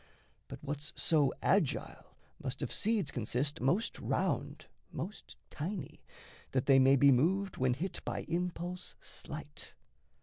But what's so agile must of seeds consist Most round, most tiny, that they may be moved, When hit by impulse slight.